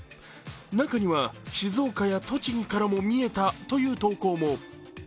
中には静岡や栃木からも見えたという投稿も。